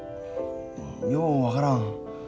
よう分からん。